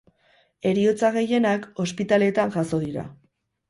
Heriotza gehienak ospitaleetan jazo dira.